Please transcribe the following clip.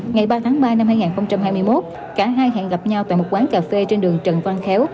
ngày ba tháng ba năm hai nghìn hai mươi một cả hai hẹn gặp nhau tại một quán cà phê trên đường trần văn khéo